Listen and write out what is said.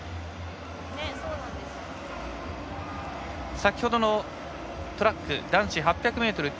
先ほどのトラック男子８００ｍＴ